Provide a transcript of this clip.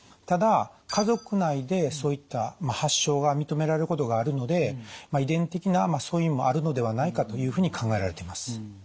ただ家族内でそういった発症が認められることがあるので遺伝的な素因もあるのではないかというふうに考えられています。